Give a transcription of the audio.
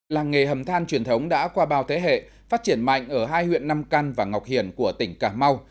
làng nghề hầm than truyền thống đã qua bao thế hệ phát triển mạnh ở hai huyện nam căn và ngọc hiền của tỉnh cà mau